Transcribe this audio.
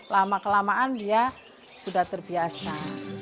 lama kelamaan dia sudah terbiasa